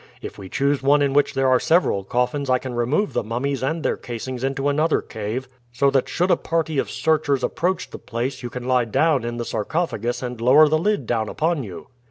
If we choose one in which there are several coffins I can remove the mummies and their casings into another cave, so that should a party of searchers approach the place you can lie down in the sarcophagus and lower the lid down upon you."